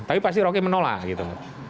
tapi pasti rocky menolak gitu